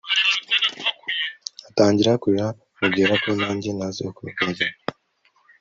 atangira kurira mubwira ko nanjye ntazi uko byagenze